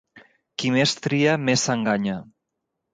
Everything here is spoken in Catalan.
Qui més tria més s'enganya.